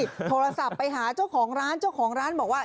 โทรศัพท์ไปหาเจ้าของร้านเจ้าของร้านบอกว่า